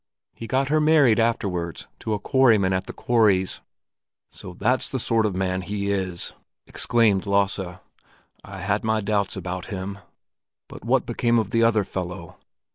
He got her married afterwards to a quarryman at the quarries." "So that's the sort of man he is!" exclaimed Lasse. "I had my doubts about him. But what became of the other fellow?"